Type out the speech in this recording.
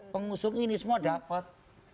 pengusung ini semua dapat